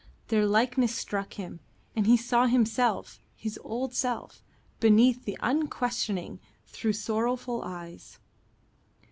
Their likeness struck him, and he saw himself, his old self, beneath the unquestioning though sorrowful eyes.